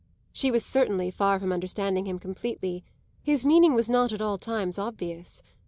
She was certainly far from understanding him completely; his meaning was not at all times obvious.